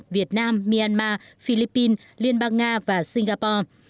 việt nam myanmar philippines liên bang nga và singapore